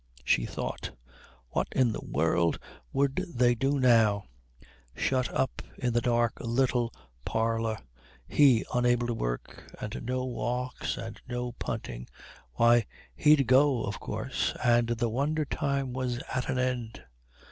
she thought; what in the world would they do now? Shut up in the dark little parlour, he unable to work, and no walks, and no punting why, he'd go, of course, and the wonder time was at an end.